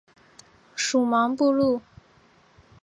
属茫部路。